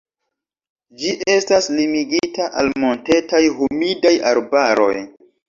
Ĝi estas limigita al montetaj humidaj arbaroj.